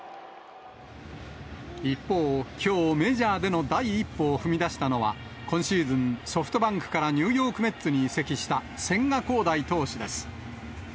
一方、きょう、メジャーでの第一歩を踏み出したのは、今シーズン、ソフトバンクからニューヨークメッツに移籍した千賀滉大投手です。